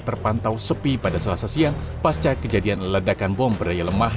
terpantau sepi pada selasa siang pasca kejadian ledakan bom berdaya lemah